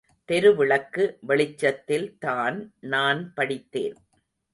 தெரு விளக்கு வெளிச்சத்தில் தான் நான் படித்தேன்.